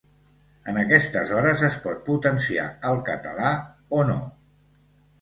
En aquestes hores es pot potenciar el català, o no.